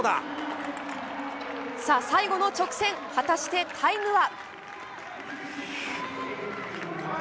最後の直線、果たしてタイムは。